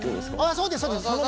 そうですそうです。